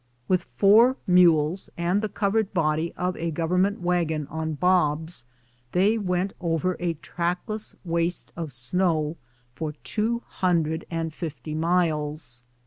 With four mules and the cov ered body of a government wagon on bobs, they went over a trackless waste of snow for two hundred and fifty miles.